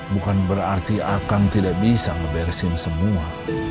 bukan berarti akang tidak bisa ngebersihin semua